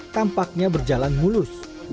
tampaknya berjalan mulus